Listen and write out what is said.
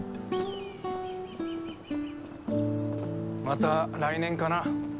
また来年かな。